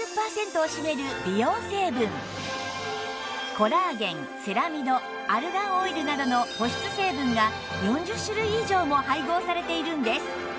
コラーゲンセラミドアルガンオイルなどの保湿成分が４０種類以上も配合されているんです。